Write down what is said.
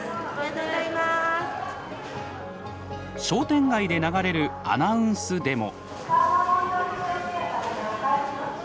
商店街で流れるアナウンスでも。